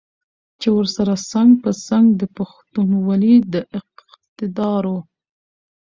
چې ورسره څنګ په څنګ د پښتونولۍ د اقدارو